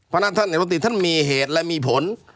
พนักท่านเหตุผลที่ท่านมีเหตุและมีผล